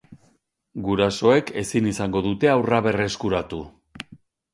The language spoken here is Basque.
Gurasoek ezin izango dute haurra berreskuratu.